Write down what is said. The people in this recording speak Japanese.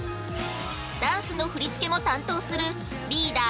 ダンスの振りつけも担当するリーダー